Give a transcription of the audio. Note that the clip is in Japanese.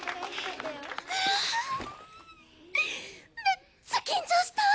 めっちゃ緊張した！